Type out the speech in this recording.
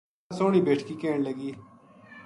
بھی واہ سوہنی بیٹکی کہن لگی